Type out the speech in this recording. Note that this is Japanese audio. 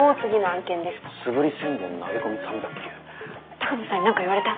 鷹野さんに何か言われた？